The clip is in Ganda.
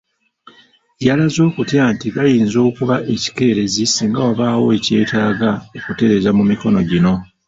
Yalaze okutya nti bayinza okuba ekikeerezi singa wabaawo ekyetaaga okutereeza mu mikono gino.